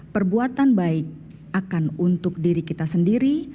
perbuatan baik akan untuk diri kita sendiri